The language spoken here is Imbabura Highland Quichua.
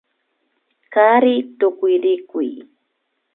Kari tukuyrikuy